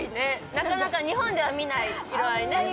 なかなか日本では見ない色合い。